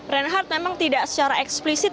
reinhardt memang tidak secara eksplisit